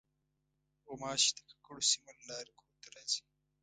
غوماشې د ککړو سیمو له لارې کور ته راځي.